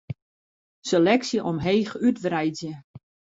Seleksje omheech útwreidzje.